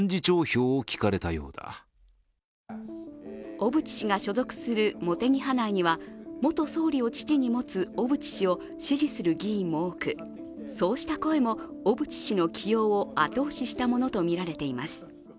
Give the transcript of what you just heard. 小渕氏が所属する茂木派内には元総理を父に持つ小渕氏を支持す議員も多く、そうした声も小渕氏の起用を後押ししたものとみられています。